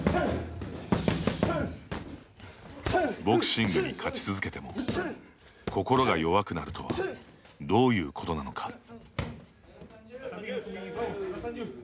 ボクシングに勝ち続けても心が弱くなるとはどういうことなのか。